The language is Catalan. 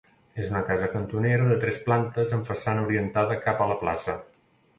És una casa cantonera de tres plantes amb façana orientada cap a la plaça.